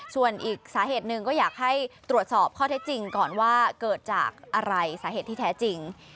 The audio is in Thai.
ส่วนอีกสาเหตุหนึ่งก็อยากให้ตรวจสอบข้อเท็จจริงก่อนว่าเกิดจากอะไรสาเหตุที่แท้จริง